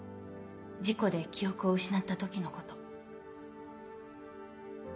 事故で記憶を失った時のこと。